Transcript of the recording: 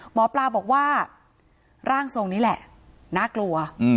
หมอปลาบอกว่าร่างทรงนี้แหละน่ากลัว